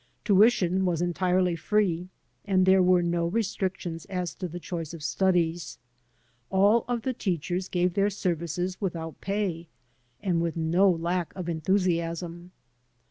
Tuition was entirely free, and there were no restrictions as to the choice of studies. All of the teachers gave their services without pay and with no lack of enthusiasm.